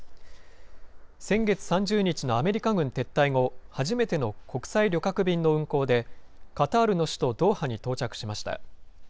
先月３０日のアメリカ軍撤退後、初めての国際旅客便の運航で、カタールの首都ドーハに到着しました。